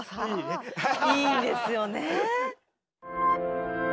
いいですよね。